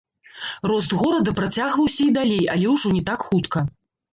Рост горада працягваўся і далей, але ўжо не так хутка.